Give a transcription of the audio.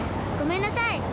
ごめんなさい。